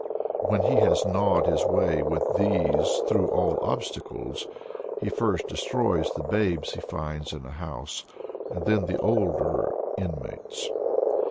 When he has gnawed his way with these through all obstacles, he first destroys the babes he finds in a house, and then the older inmates.